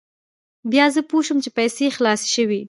بیا زه پوه شوم چې پیسې خلاصې شوې.